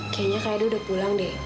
kayaknya kayaknya edo udah pulang deh